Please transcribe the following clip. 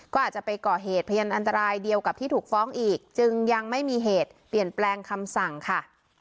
ก็อาจจะไปก่อเหตุพยานอันตรายเดียวกับที่ถูกฟ้องอีกจึงยังไม่มีเหตุเปลี่ยนแปลงคำสั่งค่ะ